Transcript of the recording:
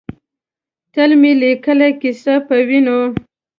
تل مو لیکلې ، کیسه پۀ وینو